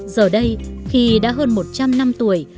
giờ đây khi đã hơn một trăm linh năm tuổi